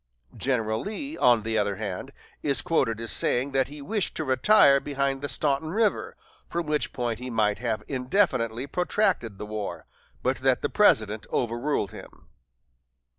General Lee, on the other hand, is quoted as saying that he wished to retire behind the Staunton River, from which point he might have indefinitely protracted the war, but that the President overruled him.